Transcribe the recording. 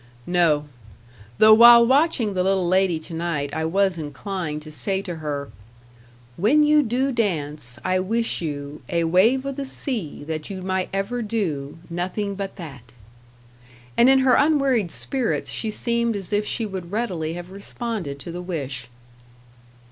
No; though while watching the little lady to night, I was inclined to say to her: "When you do dance, I wish you A wave o' the sea, that you might ever do Nothing but that." And in her unwearied spirits she seemed as if she would readily have responded to the wish.